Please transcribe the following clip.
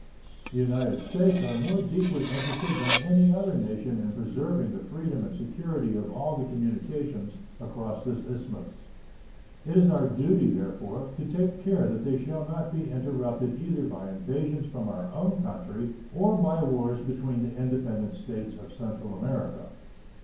The United States are more deeply interested than any other nation in preserving the freedom and security of all the communications across this isthmus. It is our duty, therefore, to take care that they shall not be interrupted either by invasions from our own country or by wars between the independent States of Central America.